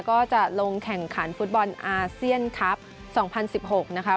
ก็จะลงแข่งขันฟุตบอลอาเซียนคลับ๒๐๑๖นะคะ